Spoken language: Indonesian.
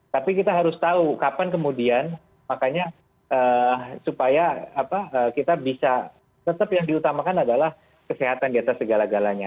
tapi kita harus tahu kapan kemudian makanya supaya kita bisa tetap yang diutamakan adalah kesehatan di atas segala galanya